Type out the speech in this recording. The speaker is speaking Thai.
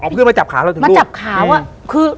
เอาเพื่อนมาจับขาแล้วถึงหลุดมาจับขาว่าคือ